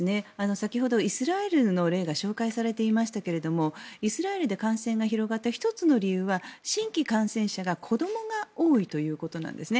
先ほどイスラエルの例が紹介されていましたがイスラエルで感染が広がった１つの理由は新規感染者が、子供が多いということなんですね。